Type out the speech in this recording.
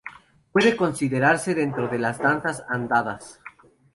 Puede considerarse dentro de las danzas andadas.